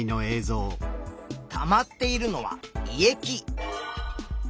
たまっているのは胃液。